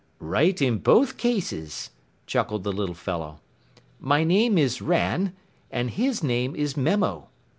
"Right in both cases," chuckled the little fellow. "My name is Ran and his name is Memo."